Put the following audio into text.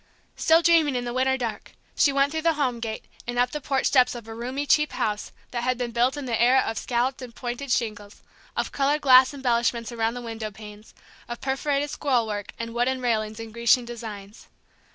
Still dreaming in the winter dark, she went through the home gate, and up the porch steps of a roomy, cheap house that had been built in the era of scalloped and pointed shingles, of colored glass embellishments around the window panes, of perforated scroll work and wooden railings in Grecian designs.